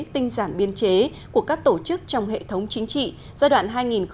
tinh giản biên chế của các tổ chức trong hệ thống chính trị giai đoạn hai nghìn một mươi năm hai nghìn hai mươi